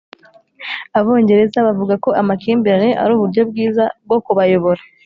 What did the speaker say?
Abongereza bavuga ko amakimbirane ari uburyo bwiza bwo kubayobora